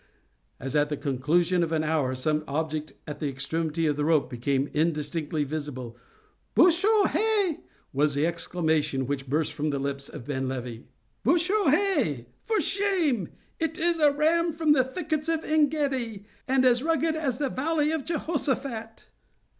—as, at the conclusion of an hour, some object at the extremity of the rope became indistinctly visible—"Booshoh he!" was the exclamation which burst from the lips of Ben Levi. "Booshoh he!—for shame!—it is a ram from the thickets of Engedi, and as rugged as the valley of Jehosaphat!"